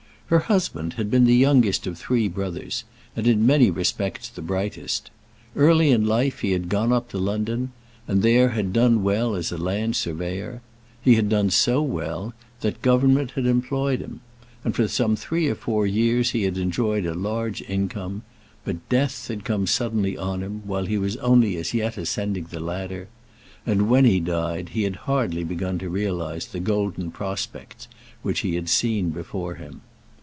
Her husband had been the youngest of three brothers, and in many respects the brightest. Early in life he had gone up to London, and there had done well as a land surveyor. He had done so well that Government had employed him, and for some three or four years he had enjoyed a large income, but death had come suddenly on him, while he was only yet ascending the ladder; and, when he died, he had hardly begun to realize the golden prospects which he had seen before him.